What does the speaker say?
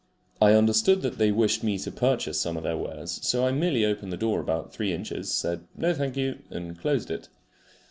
I understood that they wished me to purchase some of their wares, so I merely opened the door about three inches, said "No, thank you," and closed it.